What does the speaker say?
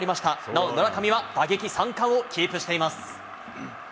なお、村上は打撃３冠をキープしています。